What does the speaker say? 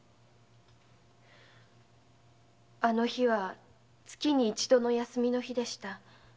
あの日は月に一度の休日でした。